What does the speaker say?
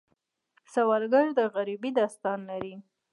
سوالګر د غریبۍ داستان لري